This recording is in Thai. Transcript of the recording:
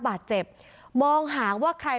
ประตู๓ครับ